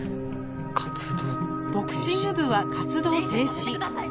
ボクシング部は活動停止